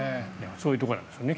そういうところなんでしょうね。